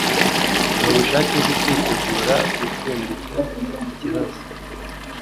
Ni ubushake bwo kwitegura gutsinda icyo kibazo.